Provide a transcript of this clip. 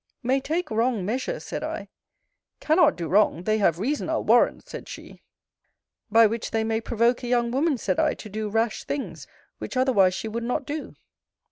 ] May take wrong measures, said I Cannot do wrong they have reason, I'll warrant, said she By which they may provoke a young woman, said I, to do rash things, which otherwise she would not do.